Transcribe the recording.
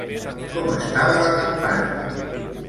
Com estava la campana?